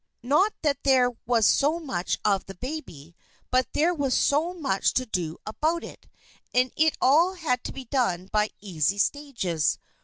Not that there was so much of the baby, but there was so much to do about it, and it all had to be done by easy stages.